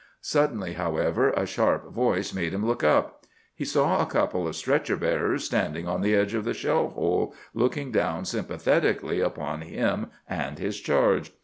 Suddenly, however, a sharp voice made him look up. He saw a couple of stretcher bearers standing on the edge of the shell hole, looking down sympathetically upon him and his charge.